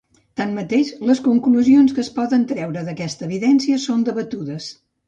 Tanmateix, les conclusions que es poden treure d'aquesta evidència són debatudes.